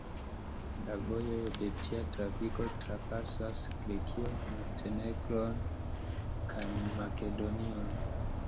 La vojoj de tia trafiko trapasas Grekion, Montenegron kaj Makedonion.